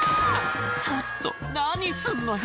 「ちょっと何すんのよ！」